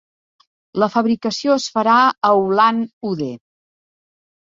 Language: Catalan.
La fabricació es farà a Ulan-Ude.